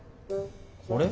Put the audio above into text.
これ？